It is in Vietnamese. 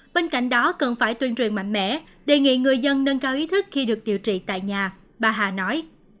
bên cạnh đó cần phải tuyên truyền mạnh mẽ đề nghị người dân nâng cao ý thức khi được điều trị tại nhà bà hà nói